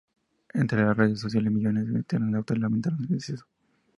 Entre las redes sociales millones de internautas lamentaron el deceso.